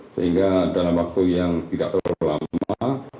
sehingga dalam waktu yang tidak terlalu lama